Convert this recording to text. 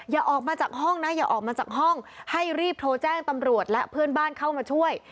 อย่าออกมาจากห้องนะอย่าออกมาจากห้องให้รีบโทรแจ้งตำรวจและเพื่อนบ้านเข้ามาช่วย